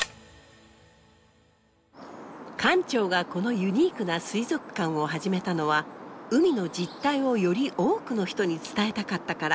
館長がこのユニークな水族館を始めたのは海の実態をより多くの人に伝えたかったから。